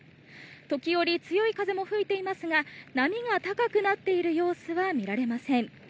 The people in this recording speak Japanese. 時折、強い風も吹いていますが波が高くなっている様子は見られません。